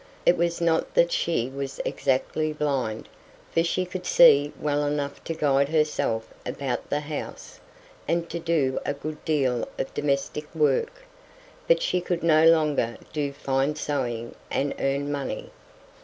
It was not that she was exactly blind, for she could see well enough to guide herself about the house, and to do a good deal of domestic work; but she could no longer do fine sewing and earn money.